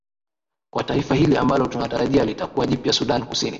kwa taifa hili ambalo tunatarajia litakuwa jipya sudan kusini